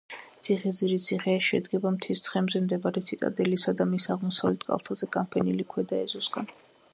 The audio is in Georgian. ციხისძირის ციხე შედგება მთის თხემზე მდებარე ციტადელისა და მის აღმოსავლეთ კალთაზე განფენილი ქვედა ეზოსაგან.